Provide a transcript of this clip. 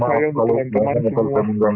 mohon maaf kalau teman teman